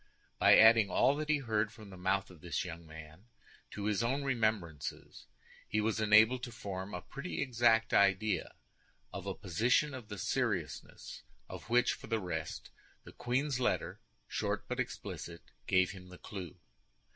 By adding all that he heard from the mouth of the young man to his own remembrances, he was enabled to form a pretty exact idea of a position of the seriousness of which, for the rest, the queen's letter, short but explicit, gave him the clue.